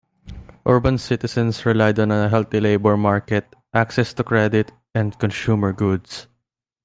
Urban citizens relied on a healthy labor market, access to credit, and consumer goods.